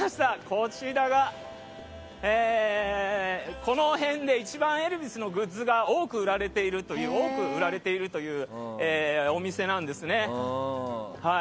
こちらが、この辺で一番エルヴィスのグッズが多く売られているというお店なんですね。